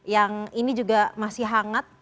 yang ini juga masih hangat